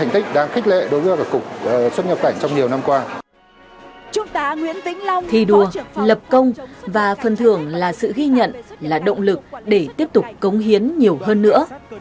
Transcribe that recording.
thì đua lập công và phần thưởng là sự ghi nhận là động lực để tiếp tục cống hiến nhiều hơn nữa